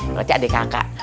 berarti adik kakak